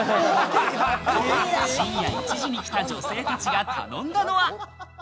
深夜１時に来た女性たちが頼んだのは。